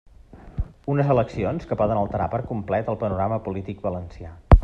Unes eleccions que poden alterar per complet el panorama polític valencià.